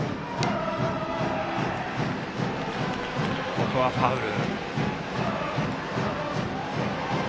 ここはファウル。